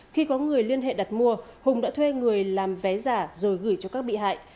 khi có người liên hệ đặt mua hùng đã thuê người làm vé giả rồi gửi cho các bị hại